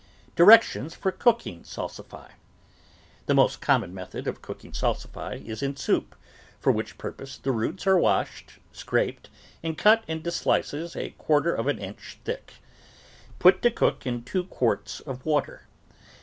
DIRECTIONS FOR COOKING SALSIFY The most common method of cooking salsify is in soup, for which purpose the roots are washed, scraped, and cut into slices a quarter of an inch THE VEGETABLE GARDEN thick. Put to cook in two quarts of water.